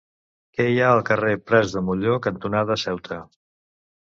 Què hi ha al carrer Prats de Molló cantonada Ceuta?